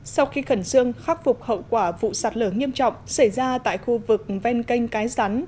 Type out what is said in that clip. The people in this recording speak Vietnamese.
sau khi khẩn trương khắc phục hậu quả vụ sạt lở nghiêm trọng xảy ra tại khu vực ven kênh cái rắn